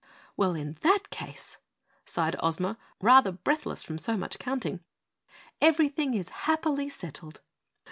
"Well, in that case," sighed Ozma, rather breathless from so much counting, "everything is happily settled."